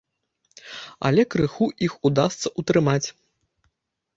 Але крыху іх удасца ўтрымаць.